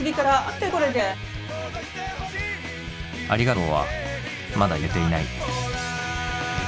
ありがとうはまだ言えていない。